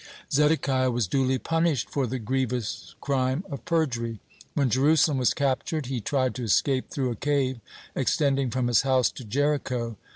(4) Zedekiah was duly punished for the grievous crime of perjury. When Jerusalem was captured, he tried to escape through a cave extending from his house to Jericho.